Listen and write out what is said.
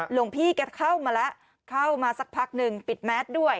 หลวงพี่แกเข้ามาแล้วเข้ามาสักพักหนึ่งปิดแมสด้วย